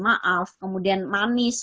maaf kemudian manis